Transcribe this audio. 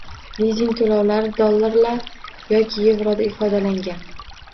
Lizing to‘lovlari dollar yoki yevroda ifodalangan.